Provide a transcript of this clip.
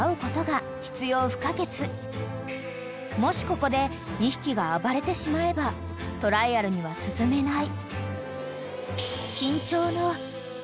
［もしここで２匹が暴れてしまえばトライアルには進めない］